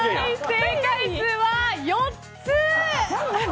正解数は４つ！